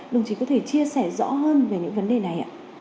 đồng chí có thể chia sẻ rõ hơn về những vấn đề này ạ